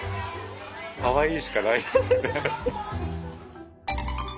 かわいいしかないです。